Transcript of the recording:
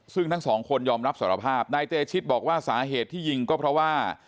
ซึ่งทั้งสองคนยอมรับสารภาพนายเตชิตบอกว่าสาเหตุที่ยิงก็เพราะว่า